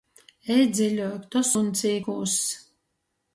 Ej dziļuok, to suņs īkūss.